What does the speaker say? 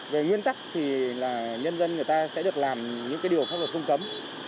về nguyên tắc thì là nhân dân người ta sẽ được làm những cái điều pháp luật không cấm